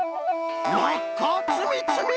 わっかつみつみ！